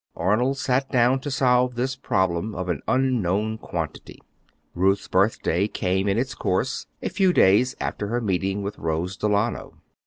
Arnold sat down to solve this problem of an unknown quantity. Ruth's birthday came in its course, a few days after her meeting with Rose Delano.